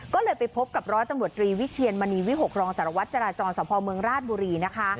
ก็เลยไปพบกับร้อยตำรวจรีวิเชียนมณีวิหกรองสารวัตรจราจรสพเมืองราชบุรีนะคะ